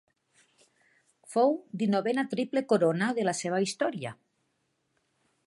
Fou dinovena Triple Corona de la seva història.